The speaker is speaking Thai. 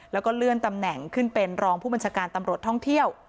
แล้วก็เลื่อนตำแหน่งขึ้นเป็นรองผู้บัญชาการตำรวจท่องเที่ยว